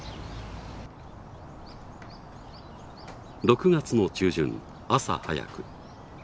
６月の中旬朝早く。